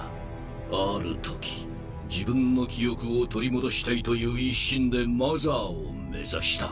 ある時自分の記憶を取り戻したいという一心でマザーを目指した。